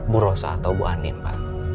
bu rosa atau bu anin pak